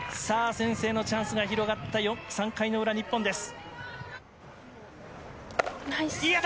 先制のチャンスが広がった３回の裏、日本です。